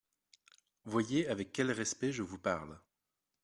Voyez avec quel respect je vous parle.